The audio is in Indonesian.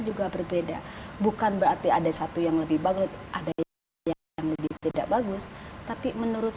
juga berbeda bukan berarti ada satu yang lebih bagus ada yang lebih tidak bagus tapi menurut